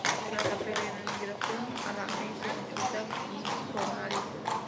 Tras la peregrinación a La Meca, visitan Cisjordania.